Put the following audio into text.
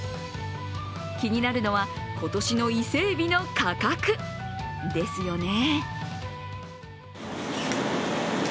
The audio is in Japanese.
気になるのは今年の伊勢えびの価格ですよね。